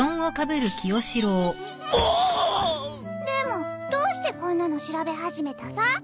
でもどうしてこんなの調べ始めたさ？